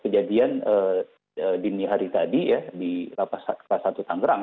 kejadian dini hari tadi ya di lapas rutan tangerang